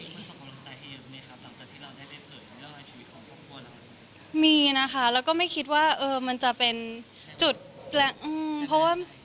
ความสำคัญของความรักใจที่มีครับตั้งแต่ที่เราได้ได้เกิดอยู่ในชีวิตของครอบครัวแล้ว